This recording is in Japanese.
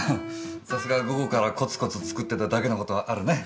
さすが午後からコツコツ作ってただけの事はあるね。